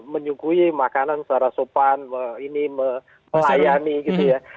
menyukui makanan secara sopan ini melayani gitu ya